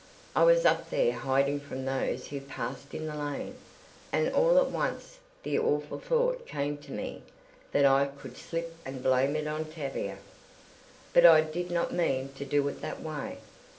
I was up there hiding from those who passed in the lane, and all at once the awful thought came to me that I could slip and blame it on Tavia. But I did not mean to do it that way.